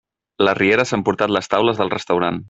La riera s'ha emportat les taules del restaurant.